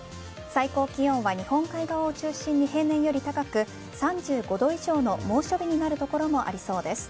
最高気温は日本海側を中心に平年より高く３５度以上の猛暑日になる所もありそうです。